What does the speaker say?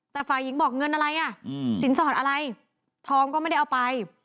แต่ฝ่ายหญิงบอกเงินอะไรอ่ะสินสอดอะไรทองก็ไม่ได้เอาไป